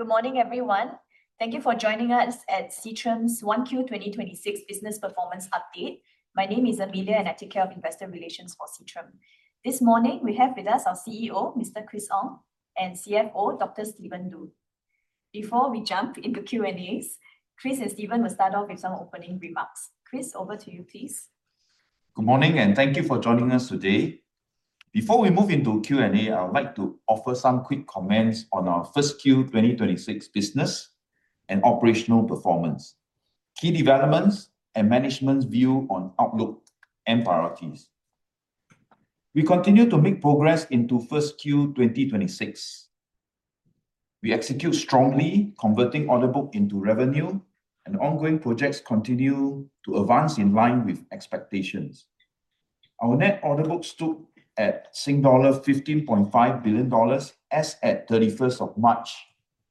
Good morning, everyone. Thank you for joining us at Seatrium's 1Q 2026 business performance update. My name is Amelia, and I take care of investor relations for Seatrium. This morning, we have with us our CEO, Mr. Chris Ong, and CFO, Dr. Stephen Lu. Before we jump into Q&As, Chris and Stephen will start off with some opening remarks. Chris, over to you, please. Good morning. Thank you for joining us today. Before we move into Q&A, I would like to offer some quick comments on our first Q 2026 business and operational performance, key developments, and management's view on outlook and priorities. We continue to make progress into first Q 2026. We execute strongly, converting order book into revenue, and ongoing projects continue to advance in line with expectations. Our net order books stood at 15.5 billion dollars as at 31st of March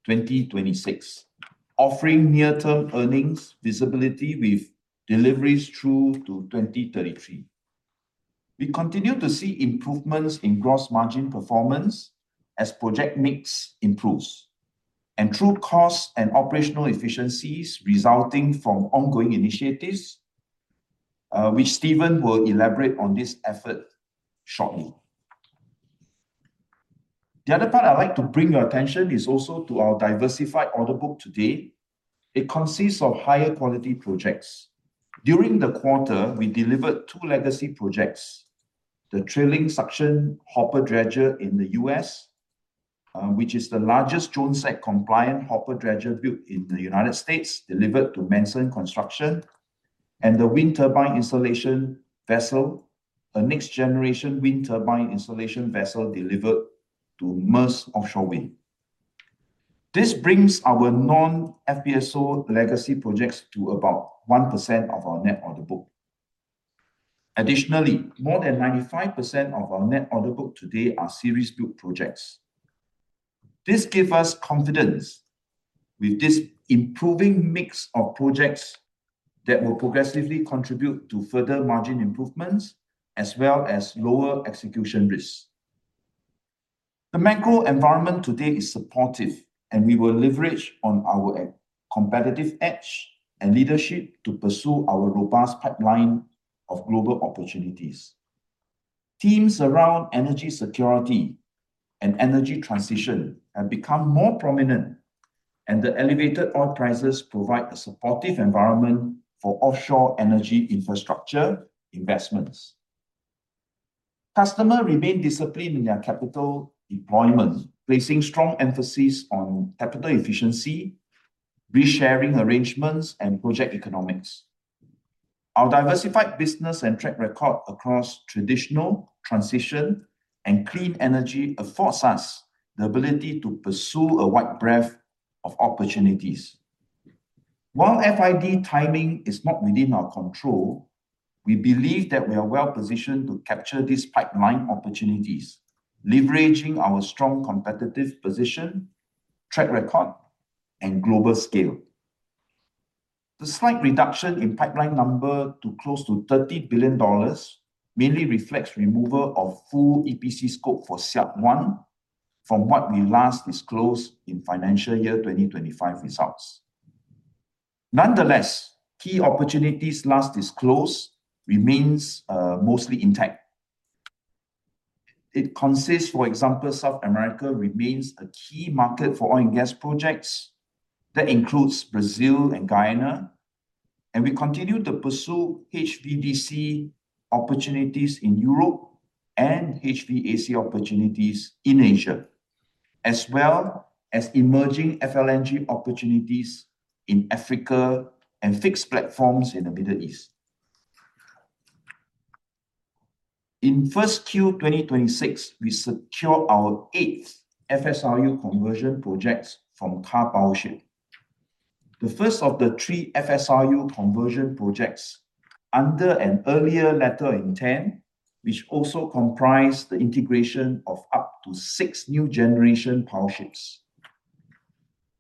2026, offering near-term earnings visibility with deliveries through to 2033. We continue to see improvements in gross margin performance as project mix improves, and through costs and operational efficiencies resulting from ongoing initiatives, which Stephen will elaborate on this effort shortly. The other part I'd like to bring your attention is also to our diversified order book today. It consists of higher quality projects. During the quarter, we delivered two legacy projects, the trailing suction hopper dredger in the U.S., which is the largest Jones Act-compliant hopper dredger built in the United States, delivered to Manson Construction, and the wind turbine installation vessel, a next-generation wind turbine installation vessel delivered to Maersk Offshore Wind. This brings our non-FPSO legacy projects to about 1% of our net order book. Additionally, more than 95% of our net order book today are series built projects. This give us confidence with this improving mix of projects that will progressively contribute to further margin improvements, as well as lower execution risks. The macro environment today is supportive. We will leverage on our competitive edge and leadership to pursue our robust pipeline of global opportunities. Themes around energy security and energy transition have become more prominent, and the elevated oil prices provide a supportive environment for offshore energy infrastructure investments. Customer remain disciplined in their capital employment, placing strong emphasis on capital efficiency, risk-sharing arrangements, and project economics. Our diversified business and track record across traditional, transition, and clean energy affords us the ability to pursue a wide breadth of opportunities. While FID timing is not within our control, we believe that we are well-positioned to capture these pipeline opportunities, leveraging our strong competitive position, track record, and global scale. The slight reduction in pipeline number to close to 30 billion dollars mainly reflects removal of full EPC scope for SEAP 1 from what we last disclosed in financial year 2025 results. Nonetheless, key opportunities last disclosed remains mostly intact. It consists, for example, South America remains a key market for oil and gas projects. That includes Brazil and Guyana. We continue to pursue HVDC opportunities in Europe and HVAC opportunities in Asia, as well as emerging FLNG opportunities in Africa and fixed platforms in the Middle East. In first Q 2026, we secure our eighth FSRU conversion projects from Karpowership, the first of the three FSRU conversion projects under an earlier letter intent, which also comprised the integration of up to six new generation Powerships.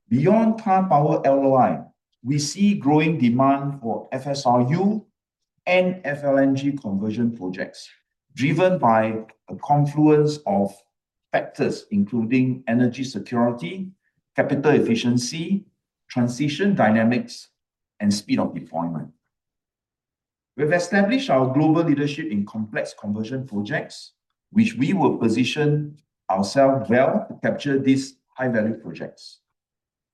Beyond Karpowership LOI, we see growing demand for FSRU and FLNG conversion projects, driven by a confluence of factors including energy security, capital efficiency, transition dynamics, and speed of deployment. We've established our global leadership in complex conversion projects, which we will position ourself well to capture these high-value projects.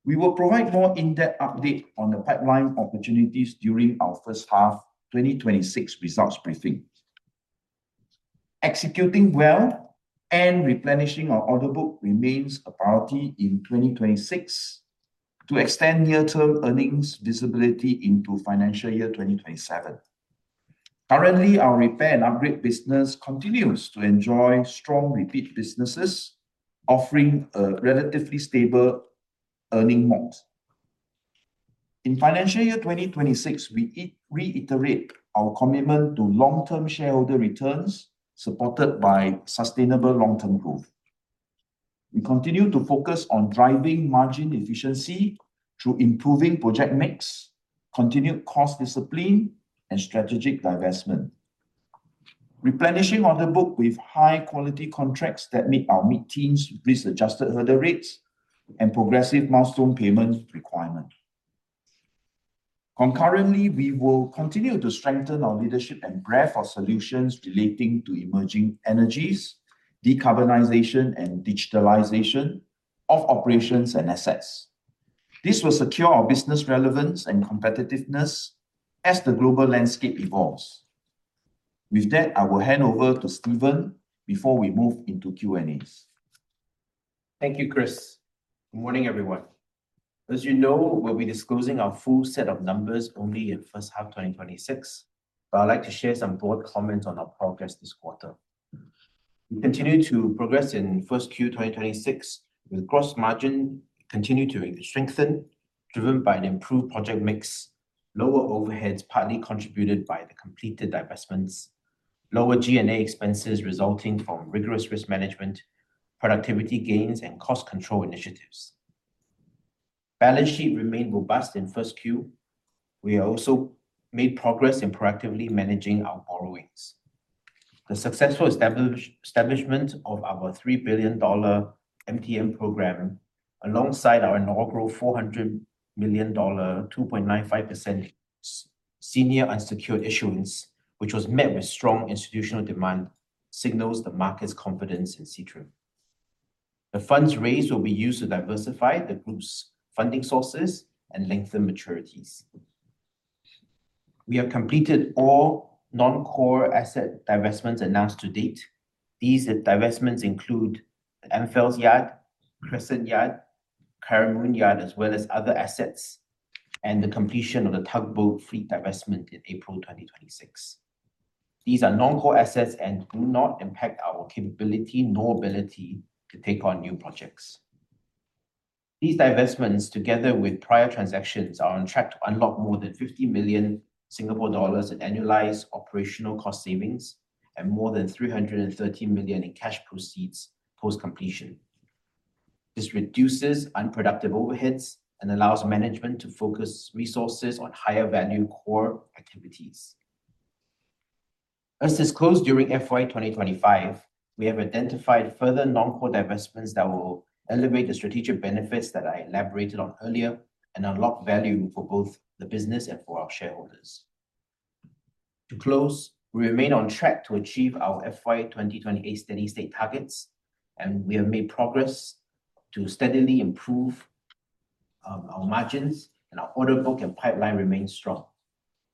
We will provide more in-depth update on the pipeline opportunities during our first half 2026 results briefing. Executing well and replenishing our order book remains a priority in 2026 to extend near-term earnings visibility into financial year 2027. Currently, our repair and upgrade business continues to enjoy strong repeat businesses, offering a relatively stable earning margin. In financial year 2026, we reiterate our commitment to long-term shareholder returns supported by sustainable long-term growth. We continue to focus on driving margin efficiency through improving project mix, continued cost discipline, and strategic divestment. Replenishing our order book with high-quality contracts that meet our teams' risk-adjusted hurdle rates and progressive milestone payment requirement. Concurrently, we will continue to strengthen our leadership and breadth of solutions relating to emerging energies, decarbonization and digitalization of operations and assets. This will secure our business relevance and competitiveness as the global landscape evolves. With that, I will hand over to Stephen before we move into Q&As. Thank you, Chris. Good morning, everyone. As you know, we'll be disclosing our full set of numbers only in first half 2026. I'd like to share some broad comments on our progress this quarter. We continue to progress in first Q2026 with gross margin continue to strengthen, driven by an improved project mix, lower overheads partly contributed by the completed divestments, lower G&A expenses resulting from rigorous risk management, productivity gains, and cost control initiatives. Balance sheet remained robust in first Q. We also made progress in proactively managing our borrowings. The successful establishment of our $3 billion MTN program, alongside our inaugural $400 million, 2.95% senior unsecured issuance, which was met with strong institutional demand, signals the market's confidence in Seatrium. The funds raised will be used to diversify the group's funding sources and lengthen maturities. We have completed all non-core asset divestments announced to date. These divestments include the AmFELS Yard, Crescent Yard, Karimun Yard, as well as other assets, and the completion of the tugboat fleet divestment in April 2026. These are non-core assets and do not impact our capability nor ability to take on new projects. These divestments, together with prior transactions, are on track to unlock more than 50 million Singapore dollars in annualized operational cost savings and more than 330 million in cash proceeds post-completion. This reduces unproductive overheads and allows management to focus resources on higher-value core activities. As disclosed during FY 2025, we have identified further non-core divestments that will elevate the strategic benefits that I elaborated on earlier and unlock value for both the business and for our shareholders. To close, we remain on track to achieve our FY 2028 steady-state targets. We have made progress to steadily improve our margins and our order book and pipeline remains strong.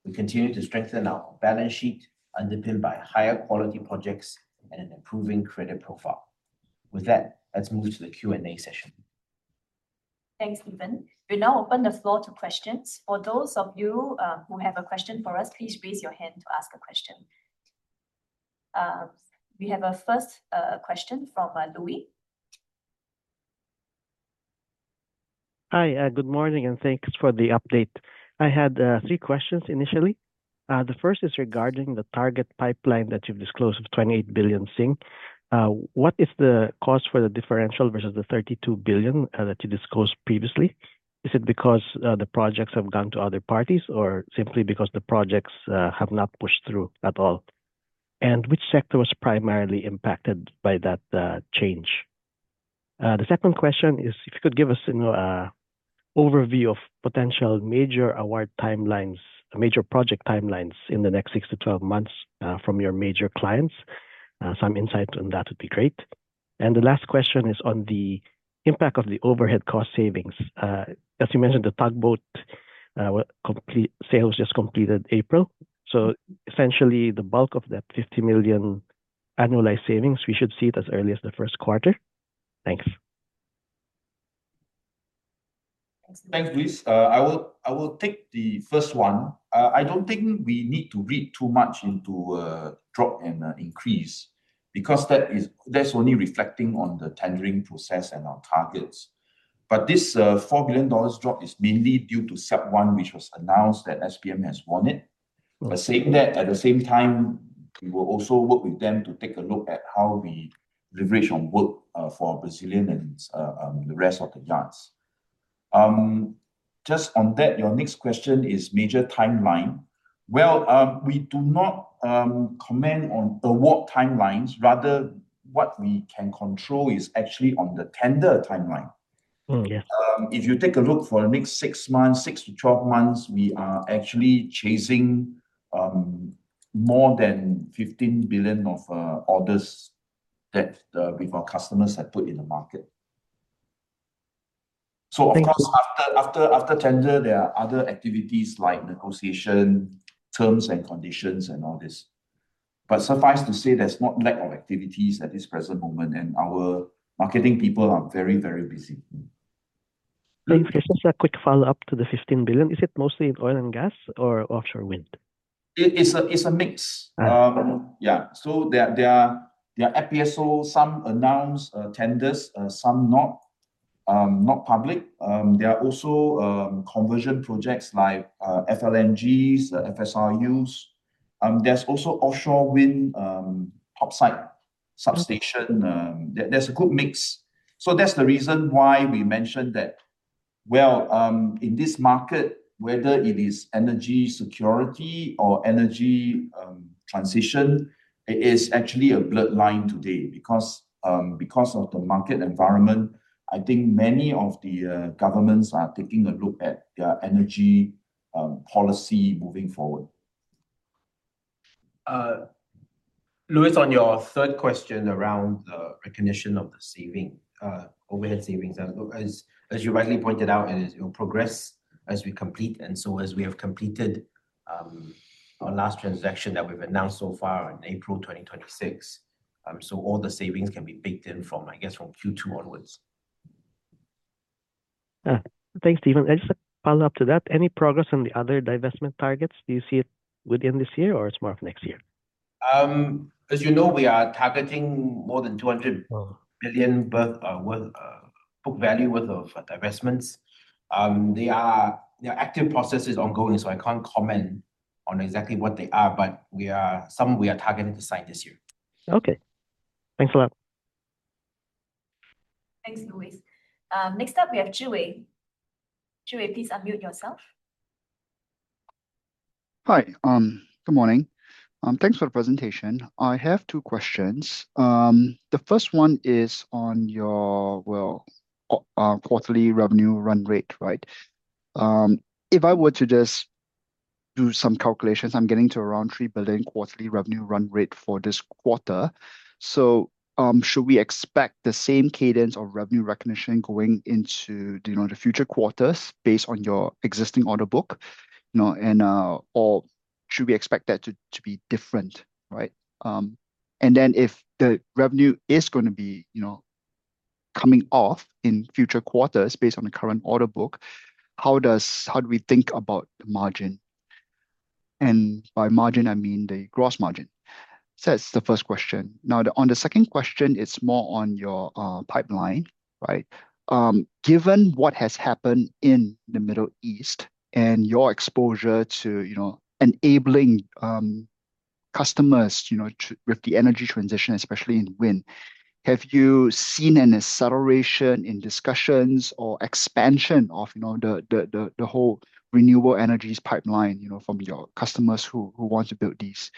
We continue to strengthen our balance sheet, underpinned by higher quality projects and an improving credit profile. With that, let's move to the Q&A session. Thanks, Stephen. We now open the floor to questions. For those of you who have a question for us, please raise your hand to ask a question. We have our first question from Louie. Hi, good morning, thanks for the update. I had three questions initially. The first is regarding the target pipeline that you've disclosed of 28 billion. What is the cause for the differential versus the 32 billion that you disclosed previously? Is it because the projects have gone to other parties or simply because the projects have not pushed through at all? Which sector was primarily impacted by that change? The second question is if you could give us an overview of potential major award timelines, major project timelines in the next 6-12 months, from your major clients. Some insight on that would be great. The last question is on the impact of the overhead cost savings. As you mentioned, the tugboat sales just completed April. Essentially, the bulk of that 50 million annualized savings, we should see it as early as the first quarter. Thanks. Thanks, Louis. I will take the first one. I don't think we need to read too much into a drop and increase because that's only reflecting on the tendering process and our targets. This 4 billion dollars drop is mainly due to SEAP 1, which was announced that SBM has won it. By saying that, at the same time, we will also work with them to take a look at how we leverage on work for Brazilian and the rest of the yards. Just on that, your next question is major timeline. Well, we do not comment on award timelines. Rather, what we can control is actually on the tender timeline. Okay. If you take a look for next six months, 6-12 months, we are actually chasing more than 15 billion of orders that with our customers had put in the market. Thank you. After tender, there are other activities like negotiation, terms and conditions, and all this. Suffice to say, there's not lack of activities at this present moment, and our marketing people are very, very busy. Thanks. Just a quick follow-up to the 15 billion. Is it mostly oil and gas or offshore wind? It's a mix. Right. Yeah. There are FPSO, some announced tenders, some not public. There are also conversion projects like FLNGs, FSRUs. There's also offshore wind topside substation. There's a good mix. That's the reason why we mentioned that Well, in this market, whether it is energy security or energy transition, it is actually a bloodline today because of the market environment, I think many of the governments are taking a look at their energy policy moving forward. Louis, on your third question around the recognition of the overhead savings, as you rightly pointed out, it will progress as we complete. As we have completed our last transaction that we've announced so far on April, 2026, all the savings can be baked in from, I guess, from Q2 onwards. Yeah. Thanks, Stephen. I just follow up to that, any progress on the other divestment targets? Do you see it within this year or it's more of next year? As you know, we are targeting more than 200- Oh billion book value worth of divestments. There are active processes ongoing, so I can't comment on exactly what they are, but some we are targeting to sign this year. Okay. Thanks a lot. Thanks, Louis. Next up we have Ziwei. Ziwei, please unmute yourself. Hi. Good morning. Thanks for the presentation. I have two questions. The first one is on your quarterly revenue run rate. If I were to just do some calculations, I'm getting to around 3 billion quarterly revenue run rate for this quarter. Should we expect the same cadence of revenue recognition going into the future quarters based on your existing order book? Should we expect that to be different? If the revenue is going to be coming off in future quarters based on the current order book, how do we think about the margin? By margin, I mean the gross margin. That's the first question. On the second question, it's more on your pipeline. Given what has happened in the Middle East and your exposure to enabling customers with the energy transition, especially in wind, have you seen an acceleration in discussions or expansion of the whole renewable energies pipeline from your customers who want to build these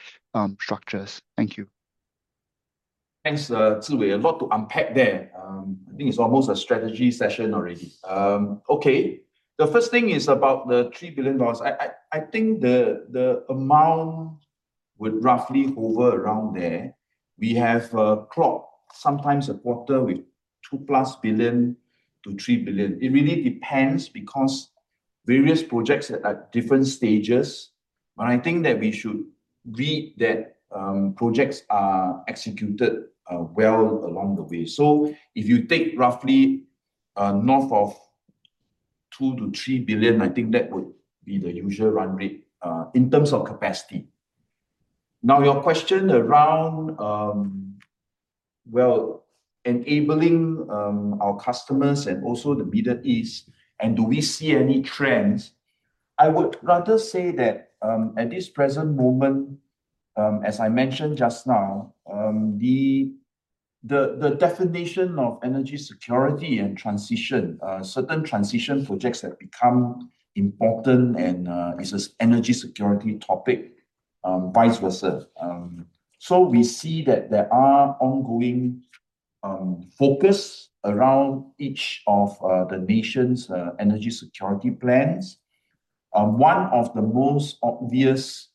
structures? Thank you. Thanks, Ziwei. A lot to unpack there. I think it's almost a strategy session already. Okay. The first thing is about the 3 billion dollars. I think the amount would roughly hover around there. We have clocked sometimes a quarter with 2+ billion-3 billion. It really depends because various projects are at different stages, but I think that we should read that projects are executed well along the way. If you take roughly north of 2 billion-3 billion, I think that would be the usual run rate, in terms of capacity. Your question around enabling our customers and also the Middle East, and do we see any trends? I would rather say that, at this present moment, as I mentioned just now, the definition of energy security and transition, certain transition projects have become important, and it's this energy security topic, vice versa. We see that there are ongoing focus around each of the nation's energy security plans. One of the most obvious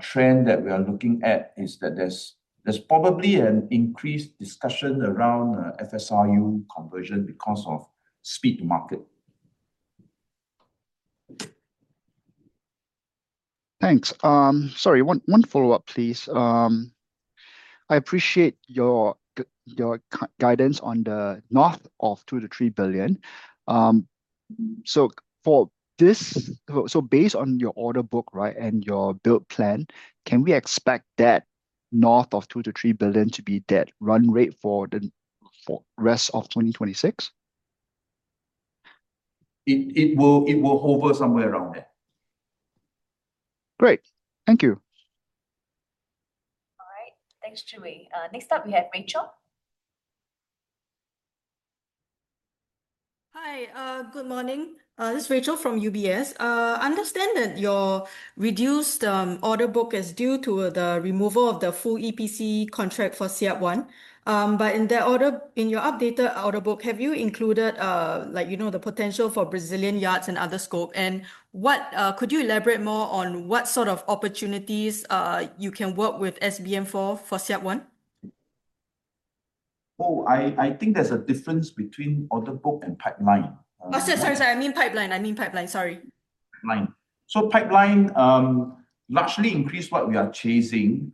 trend that we are looking at is that there's probably an increased discussion around FSRU conversion because of speed to market. Thanks. Sorry, one follow-up, please. I appreciate your guidance on the north of 2 billion-3 billion. Based on your order book and your build plan, can we expect that north of 2 billion-3 billion to be that run rate for the rest of 2026? It will hover somewhere around there. Great. Thank you. All right. Thanks, Ziwei. Next up we have Rachel. Hi, good morning. This is Rachel from UBS. Understand that your reduced order book is due to the removal of the full EPC contract for SEAP 1. In your updated order book, have you included the potential for Brazilian yards and other scope? Could you elaborate more on what sort of opportunities you can work with SBM for SEAP 1? Oh, I think there's a difference between order book and pipeline. Oh, sorry. I mean pipeline. Sorry. Pipeline. Pipeline, largely increased what we are chasing.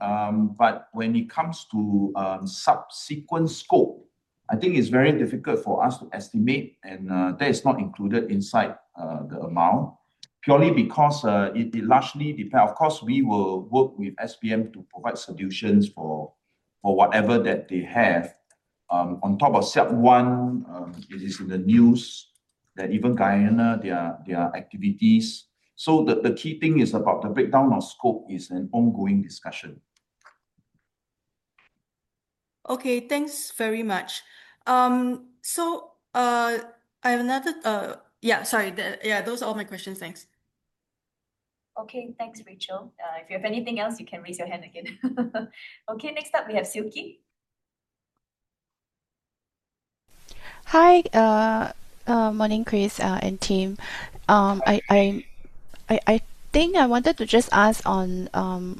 When it comes to subsequent scope, I think it's very difficult for us to estimate and that is not included inside the amount purely because Of course, we will work with SBM to provide solutions for whatever that they have. On top of SEAP 1, it is in the news that even Guyana, their activities. The key thing is about the breakdown of scope is an ongoing discussion. Okay, thanks very much. Yeah, sorry. Yeah, those are all my questions. Thanks. Okay. Thanks, Rachel. If you have anything else, you can raise your hand again. Okay, next up we have Silky. Hi. Morning, Chris and team. I think I wanted to just ask on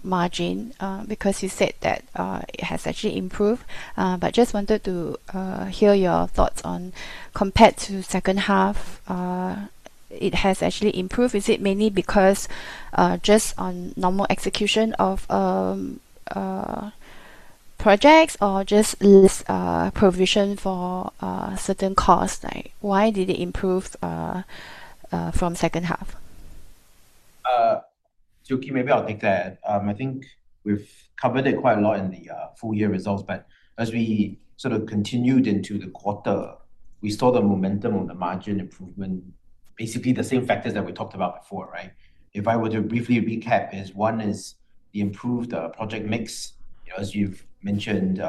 margin, because you said that it has actually improved, but just wanted to hear your thoughts on, compared to second half, it has actually improved. Is it mainly because just on normal execution of projects or just less provision for certain costs? Why did it improve from second half? Silky, maybe I'll take that. I think we've covered it quite a lot in the full-year results, but as we sort of continued into the quarter, we saw the momentum on the margin improvement, basically the same factors that we talked about before, right? If I were to briefly recap is, one is the improved project mix. As you've mentioned,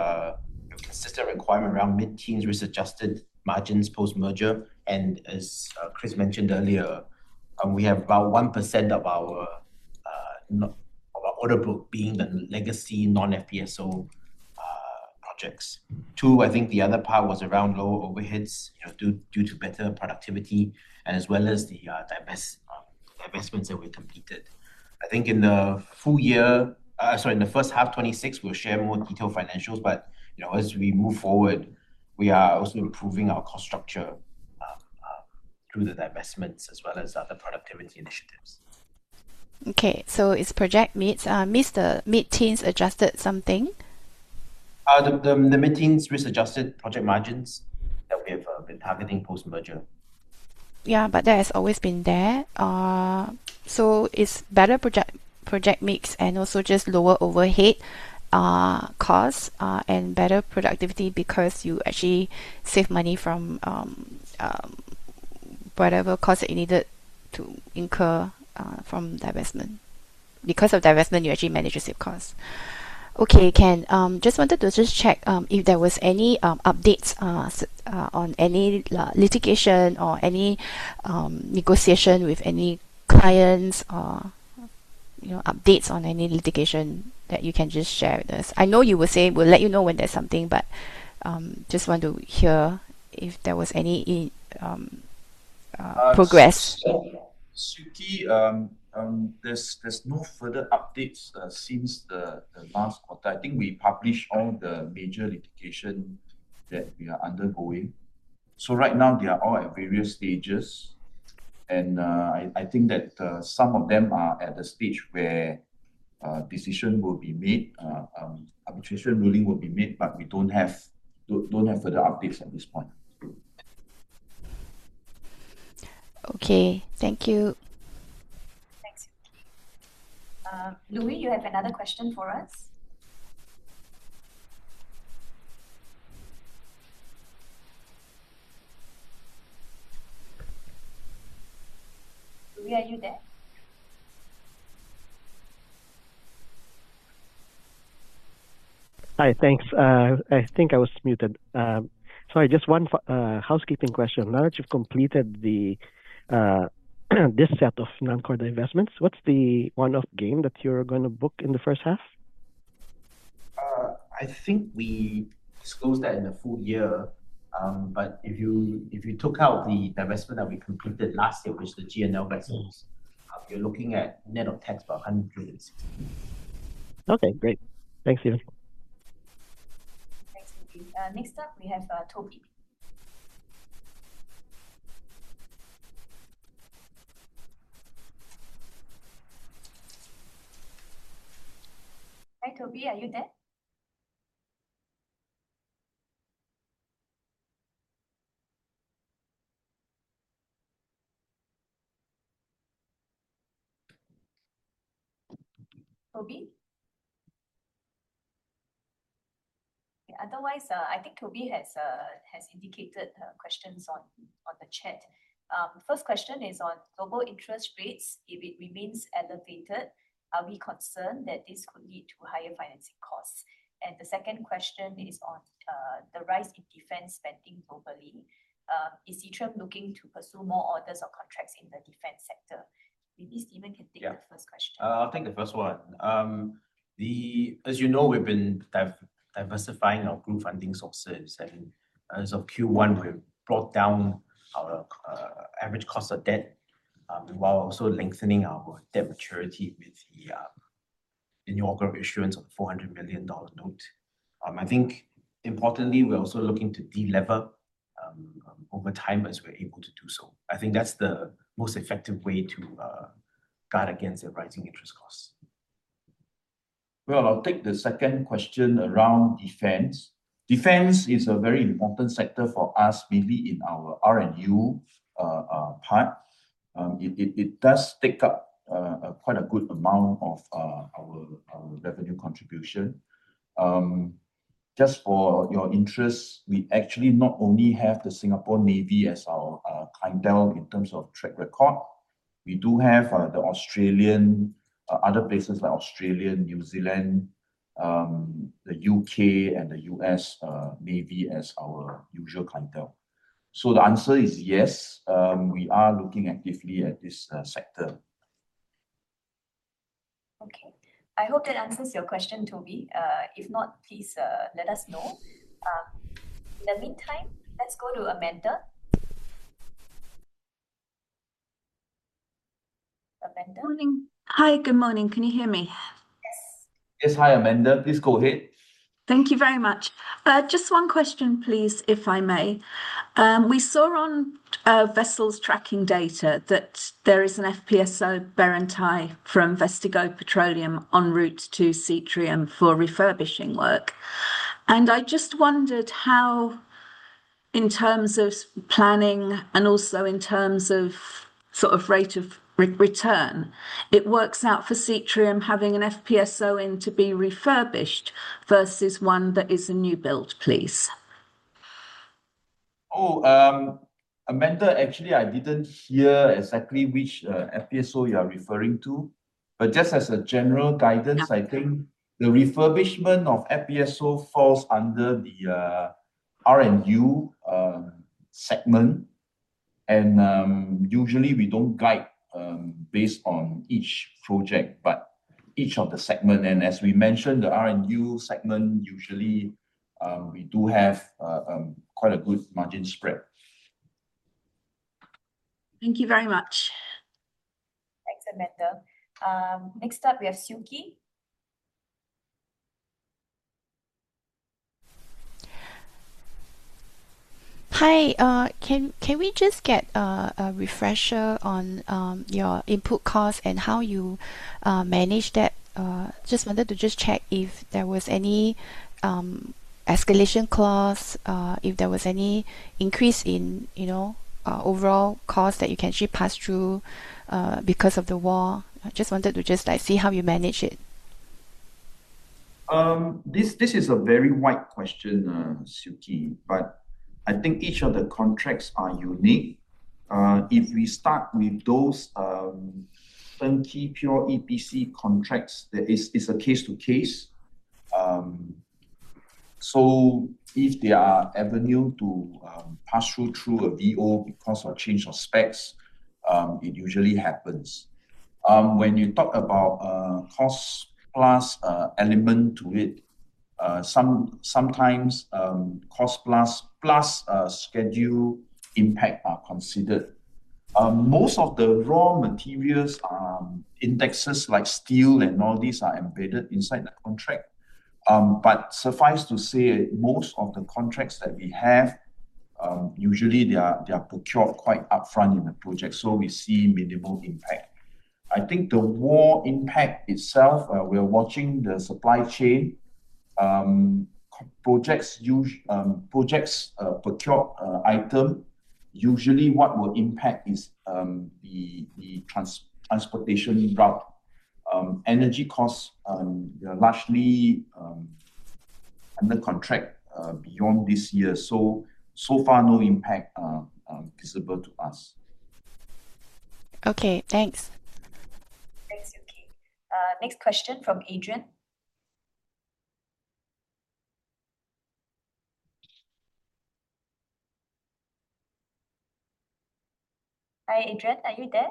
consistent requirement around mid-teens risk-adjusted margins post-merger. As Chris mentioned earlier, we have about 1% of our order book being the legacy non-FPSO projects. Two, I think the other part was around low overheads due to better productivity and as well as the divestments that we completed. In the first half 2026, we'll share more detailed financials, as we move forward, we are also improving our cost structure through the divestments as well as other productivity initiatives. Okay, it's project meets the mid-teens adjusted something? The mid-teens risk-adjusted project margins that we have been targeting post-merger. Yeah, that has always been there. It's better project mix and also just lower overhead costs, and better productivity because you actually save money from whatever cost that you needed to incur from divestment. Because of divestment, you actually manage to save costs. Okay, Ken, just wanted to check if there was any updates on any litigation or any negotiation with any clients or updates on any litigation that you can just share with us. I know you were saying we'll let you know when there's something, just want to hear if there was any progress. Silky, there's no further updates since the last quarter. I think we published all the major litigation that we are undergoing. Right now they are all at various stages, and I think that some of them are at the stage where decision will be made, arbitration ruling will be made, but we don't have further updates at this point. Okay. Thank you. Thanks, Silky. Louie, you have another question for us? Louie, are you there? Hi. Thanks. I think I was muted. Sorry, just one housekeeping question. Now that you've completed this set of non-core divestments, what's the one-off gain that you're going to book in the first half? I think we disclosed that in the full year. If you took out the divestment that we completed last year, which is the GNL vessels, you're looking at net of tax about 160 million. Okay, great. Thanks, Stephen. Thanks, Louie. Next up, we have Toby. Hi, Toby. Are you there? Toby? Yeah, otherwise, I think Toby has indicated questions on the chat. First question is on global interest rates. If it remains elevated, are we concerned that this could lead to higher financing costs? The second question is on the rise in defense spending globally. Is Seatrium looking to pursue more orders or contracts in the defense sector? Maybe Stephen can take the first question. Yeah. I'll take the first one. As you know, we've been diversifying our group funding sources, and as of Q1, we've brought down our average cost of debt, while also lengthening our debt maturity with the inaugural issuance of a $400 million note. I think importantly, we're also looking to delever over time as we're able to do so. I think that's the most effective way to guard against the rising interest costs. I'll take the second question around defense. Defense is a very important sector for us, mainly in our R&U part. It does take up quite a good amount of our revenue contribution. Just for your interest, we actually not only have the Singapore Navy as our clientele in terms of track record. We do have other places like Australia, New Zealand, the U.K., and the U.S. Navy as our usual clientele. The answer is yes, we are looking actively at this sector. Okay. I hope that answers your question, Toby. If not, please let us know. In the meantime, let's go to Amanda. Amanda? Morning. Hi. Good morning. Can you hear me? Yes. Yes. Hi, Amanda. Please go ahead. Thank you very much. Just one question, please, if I may. We saw on vessels tracking data that there is an FPSO Berantai from Vestigo Petroleum en route to Seatrium for refurbishing work. I just wondered how, in terms of planning and also in terms of rate of return, it works out for Seatrium having an FPSO in to be refurbished versus one that is a new build, please. Oh, Amanda, actually, I didn't hear exactly which FPSO you are referring to. Just as a general guidance. Okay I think the refurbishment of FPSO falls under the R&U segment. Usually we don't guide based on each project, but each of the segment. As we mentioned, the R&U segment, usually, we do have quite a good margin spread. Thank you very much. Thanks, Amanda. Next up, we have Suki. Hi. Can we just get a refresher on your input cost and how you manage that? Just wanted to check if there was any escalation clause, if there was any increase in overall cost that you can actually pass through because of the war. I just wanted to see how you manage it. This is a very wide question, Suki. I think each of the contracts are unique. If we start with those turnkey pure EPC contracts, it's a case to case. If there are avenue to pass through a VO because of change of specs, it usually happens. When you talk about cost-plus element to it, sometimes cost-plus schedule impact are considered. Most of the raw materials indexes like steel and all these are embedded inside the contract. Suffice to say, most of the contracts that we have, usually they are procured quite upfront in the project. We see minimal impact. I think the war impact itself, we are watching the supply chain. Projects procured item, usually what will impact is the transportation route. Energy costs, they are largely under contract beyond this year. So far, no impact visible to us. Okay, thanks. Thanks, Suki. Next question from Adrian. Hi, Adrian. Are you there?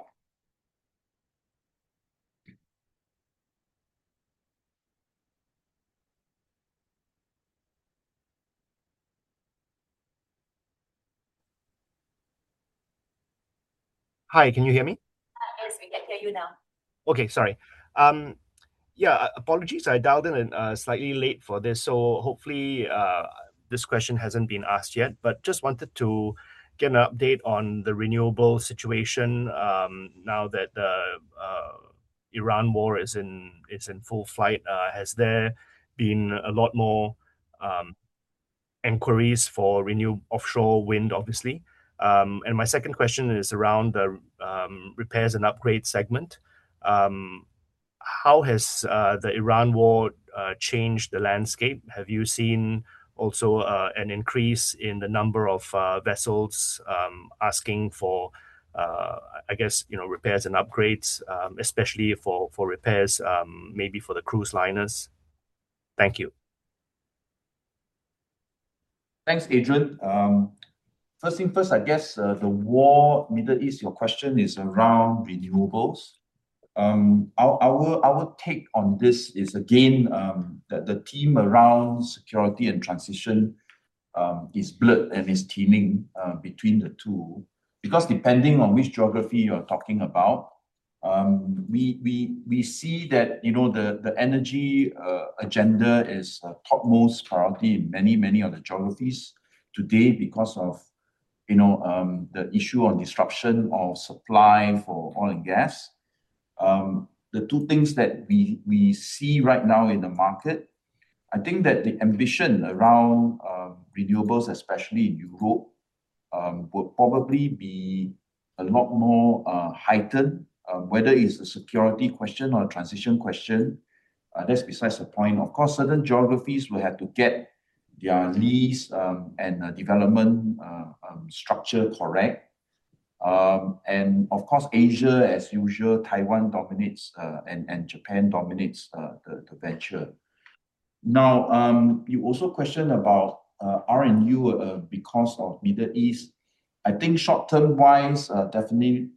Hi, can you hear me? Yes, we can hear you now. Okay, sorry. Yeah, apologies, I dialed in slightly late for this, so hopefully, this question hasn't been asked yet. Just wanted to get an update on the renewable situation now that the Iran war is in full flight. Has there been a lot more inquiries for renewable offshore wind, obviously? My second question is around the repairs and upgrades segment. How has the Iran war changed the landscape? Have you seen also an increase in the number of vessels asking for repairs and upgrades, especially for repairs, maybe for the cruise liners? Thank you. Thanks, Adrian. First thing first, I guess the war, Middle East, your question is around renewables. Our take on this is, again, the team around security and transition is blurred and is teaming between the two. Depending on which geography you are talking about, we see that the energy agenda is topmost priority in many of the geographies today because of the issue on disruption of supply for oil and gas. The two things that we see right now in the market, I think that the ambition around renewables, especially in Europe, will probably be a lot more heightened. Whether it's a security question or a transition question, that's besides the point. Of course, certain geographies will have to get their lease and development structure correct. Of course, Asia, as usual, Taiwan dominates, and Japan dominates the venture. Now, you also questioned about R&U because of Middle East. I think short-term wise, definitely,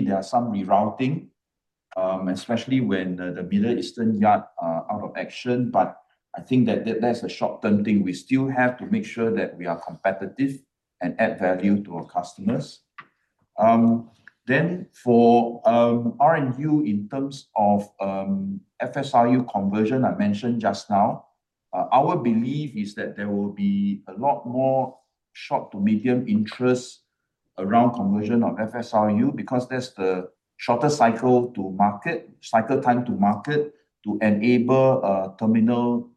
there are some rerouting, especially when the Middle Eastern yard are out of action. I think that's a short-term thing. We still have to make sure that we are competitive and add value to our customers. For R&U in terms of FSRU conversion, I mentioned just now, our belief is that there will be a lot more short to medium interest around conversion of FSRU because that's the shortest cycle time to market to enable terminal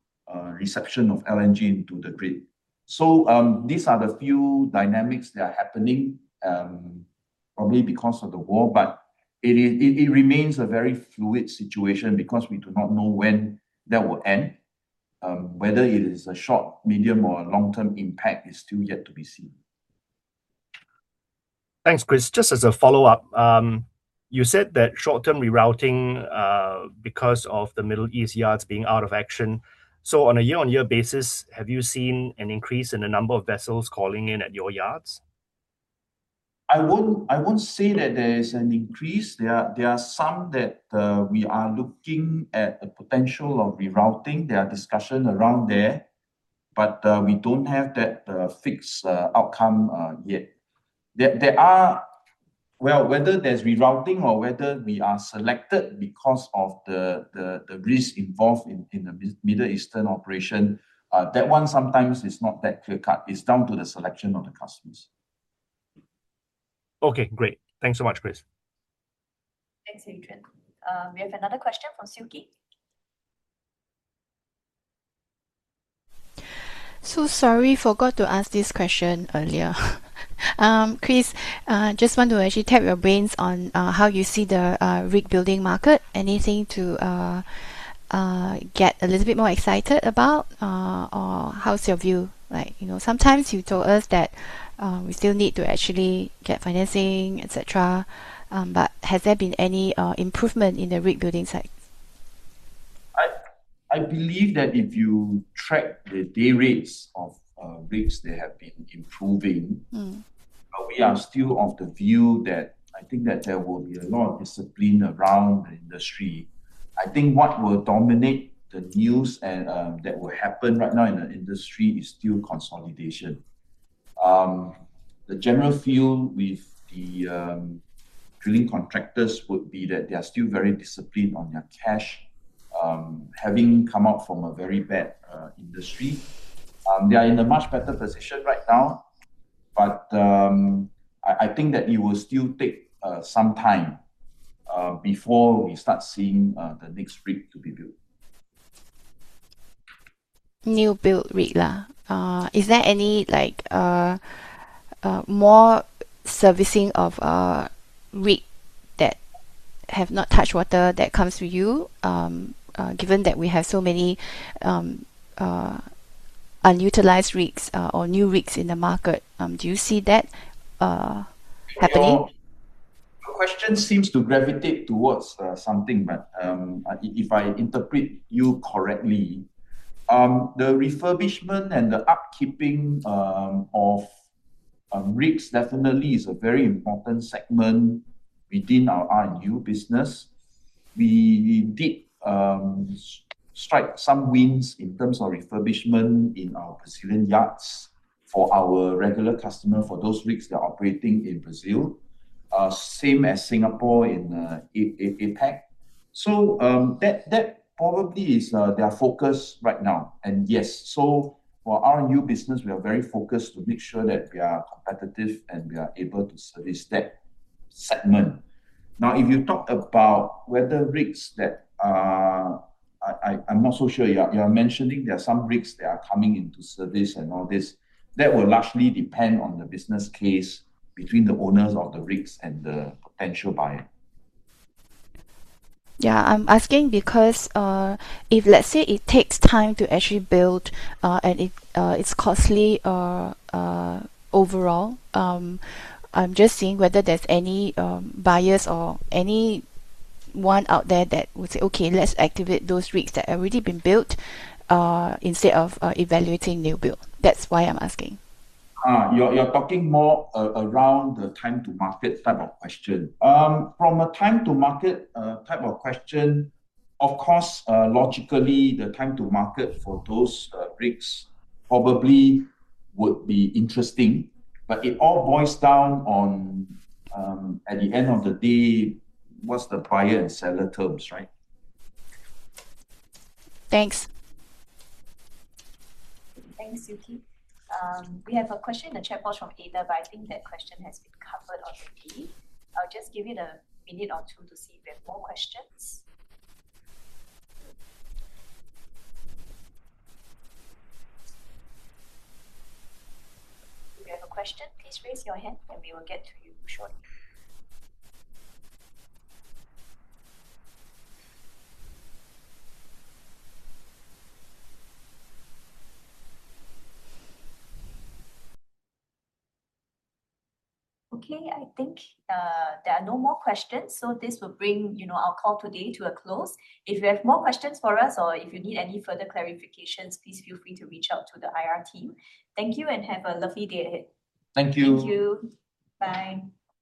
reception of LNG into the grid. These are the few dynamics that are happening, probably because of the war, but it remains a very fluid situation because we do not know when that will end. Whether it is a short, medium, or a long-term impact is still yet to be seen. Thanks, Chris. Just as a follow-up, you said that short-term rerouting, because of the Middle East yards being out of action. On a year-on-year basis, have you seen an increase in the number of vessels calling in at your yards? I won't say that there is an increase. There are some that we are looking at the potential of rerouting. There are discussions around there, but we don't have that fixed outcome yet. Whether there's rerouting or whether we are selected because of the risk involved in the Middle Eastern operation, that one sometimes is not that clear cut. It's down to the selection of the customers. Okay, great. Thanks so much, Chris. Thanks, Adrian. We have another question from Suki. Sorry, forgot to ask this question earlier. Chris, just want to actually tap your brains on how you see the rig building market. Anything to get a little bit more excited about? How's your view? Sometimes you told us that we still need to actually get financing, et cetera. Has there been any improvement in the rig building side? I believe that if you track the day rates of rigs, they have been improving. We are still of the view that I think that there will be a lot of discipline around the industry. I think what will dominate the news and that will happen right now in the industry is still consolidation. The general feel with the drilling contractors would be that they are still very disciplined on their cash, having come out from a very bad industry. They are in a much better position right now. I think that it will still take some time before we start seeing the next rig to be built. New build rig. Is there any more servicing of rig that have not touched water that comes to you, given that we have so many unutilized rigs or new rigs in the market? Do you see that happening? Your question seems to gravitate towards something, if I interpret you correctly. The refurbishment and the upkeeping of rigs definitely is a very important segment within our R&U business. We did strike some wins in terms of refurbishment in our Brazilian yards for our regular customer for those rigs that are operating in Brazil, same as Singapore in APAC. That probably is their focus right now. For R&U business, we are very focused to make sure that we are competitive and we are able to service that segment. If you talk about whether rigs that I'm not so sure. You are mentioning there are some rigs that are coming into service and all this. That will largely depend on the business case between the owners of the rigs and the potential buyer. Yeah, I'm asking because, if let's say it takes time to actually build, and it's costly overall, I'm just seeing whether there's any buyers or anyone out there that would say, "Okay, let's activate those rigs that have already been built, instead of evaluating new build." That's why I'm asking. You're talking more around the time to market type of question. From a time to market type of question, of course, logically, the time to market for those rigs probably would be interesting, but it all boils down on, at the end of the day, what's the buyer and seller terms, right? Thanks. Thanks, Suki. We have a question in the chat box from Ada, but I think that question has been covered already. I'll just give it a minute or two to see if we have more questions. If you have a question, please raise your hand and we will get to you shortly. Okay, I think there are no more questions, so this will bring our call today to a close. If you have more questions for us or if you need any further clarifications, please feel free to reach out to the IR team. Thank you and have a lovely day ahead. Thank you. Thank you. Bye.